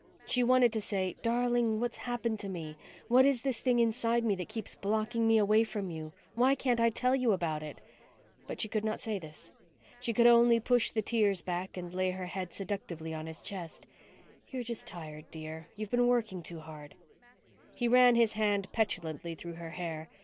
She wanted to say, _Darling, what's happened to me? What is this thing inside me that keeps blocking me away from you? Why can't I tell you about it?_ But she could not say this. She could only push the tears back and lay her head seductively on his chest. "You're just tired, dear. You've been working too hard." He ran his hand petulantly through her hair.